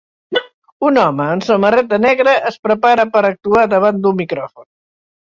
Un home amb samarreta negra es prepara per actuar davant d'un micròfon.